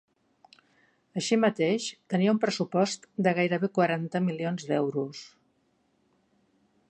Així mateix, tenia un pressupost de gairebé quaranta milions d’euros.